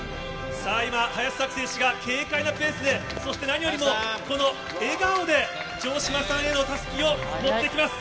さあ今、林咲希選手が軽快なペースで、そして何よりも、この笑顔で、城島さんへのたすきを持ってきます。